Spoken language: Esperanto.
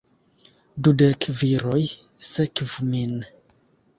Dudek viroj sekvu min!